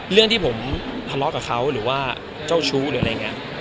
เรื่องที่ผมทะเลาะกับเขาหรือว่าเจ้าชู้หรืออะไรอย่างนี้